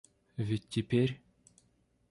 Ведь теперь...